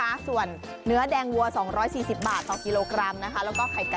ราคาเนื้อสัตว์วันนี้นะคะ